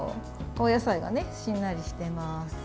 お野菜がしんなりしています。